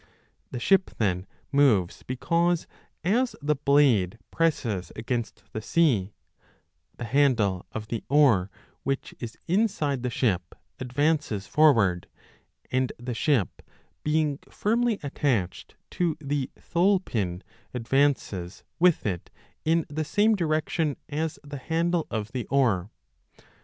^ The ship then moves 20 because, as the blade presses against the sea, the handle of the oar, which is inside the ship, advances forward, and the ship, being firmly attached to the thole pin, advances with it in the same direction as the handle of the oar.